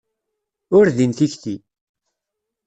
Ur din tikti.